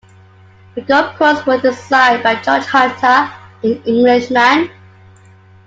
The golf course was designed by George Hunter, an Englishman.